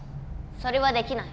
それはできない。